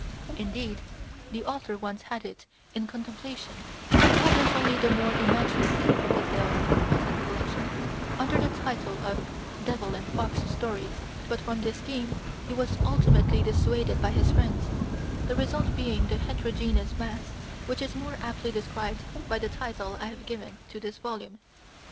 Indeed, the author once had it in contemplation to publish only the more imaginative of the tales in the present collection under the title of "Devil and Fox Stories;" but from this scheme he was ultimately dissuaded by his friends, the result being the heterogeneous mass which is more aptly described by the title I have given to this volume.